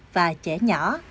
và chẻ nhỏ